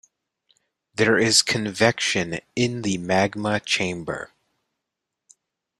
There is convection in the magma chamber.